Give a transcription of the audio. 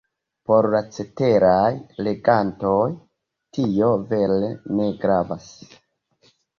Por la ceteraj legantoj, tio vere ne gravas.